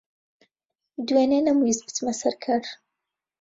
دوێنێ نەمویست بچمە سەر کار.